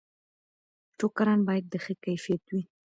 ټوکران باید د ښه کیفیت وي.